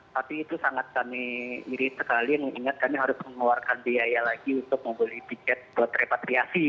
tapi itu sangat kami irit sekali mengingat kami harus mengeluarkan biaya lagi untuk membeli tiket buat repatriasi